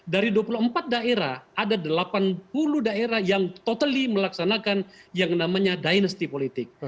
dari dua puluh empat daerah ada delapan puluh daerah yang totally melaksanakan yang namanya dinasti politik